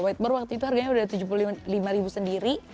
whiteboard waktu itu harganya udah tujuh puluh lima ribu sendiri